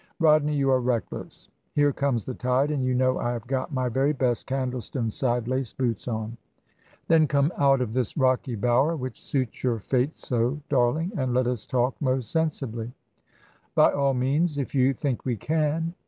"Rodney, you are reckless. Here comes the tide; and you know I have got my very best Candleston side lace boots on!" "Then come out of this rocky bower, which suits your fate so, darling; and let us talk most sensibly." "By all means; if you think we can.